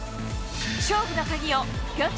勝負の鍵を平昌